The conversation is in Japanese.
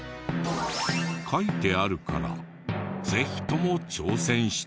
書いてあるからぜひとも挑戦してみたい。